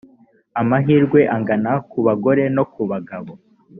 amahirwe angana ku bagore no ku bagabo .